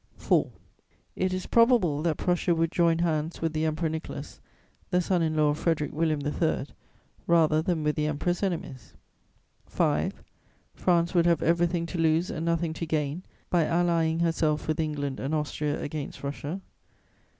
"4. It is probable that Prussia would join hands with the Emperor Nicholas, the son in law of Frederic William III., rather than with the Emperor's enemies. "5. France would have everything to lose and nothing to gain by allying herself with England and Austria against Russia.